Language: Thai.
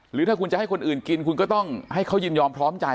หรือถ้าคุณจะให้คนอื่นกินคุณก็ต้องให้เขายินยอมพร้อมใจ